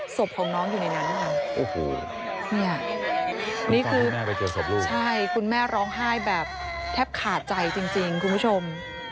สบของน้องอยู่ในนั้นด้วยคุณแม่ร้องไห้แบบแทบขาดใจจริงคุณผู้ชม